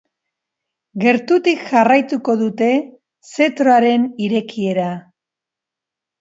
Gertutik jarraituko dute zetroaren irekiera.